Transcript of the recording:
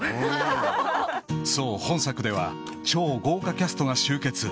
［そう本作では超豪華キャストが集結］